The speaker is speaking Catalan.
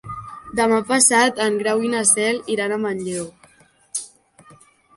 Demà passat en Grau i na Cel iran a Manlleu.